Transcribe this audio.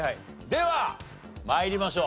では参りましょう。